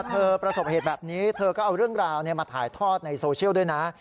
ประสบเหตุแบบนี้เธอก็เอาเรื่องราวมาถ่ายทอดในโซเชียลด้วยนะ